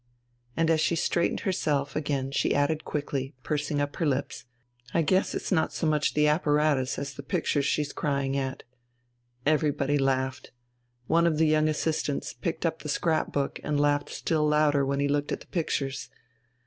And as she straightened herself again she added quickly, pursing up her lips, "I guess it's not so much the apparatus as the pictures she's crying at." Everybody laughed. One of the young assistants picked up the scrapbook and laughed still louder when he looked at the pictures.